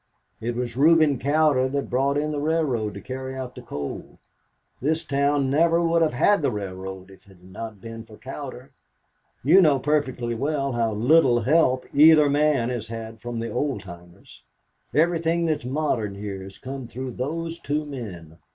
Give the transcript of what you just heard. It was Reuben Cowder that brought in the railroad to carry out the coal. This town never would have had the railroad if it had not been for Cowder. You know perfectly well how little help either man has had from the old timers. Everything that is modern here has come through those two men.